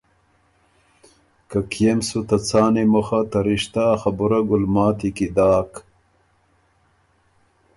که کيې م سُو ته څان ای مُخه ته رِشته ا خبُره ګلماتی کی داک۔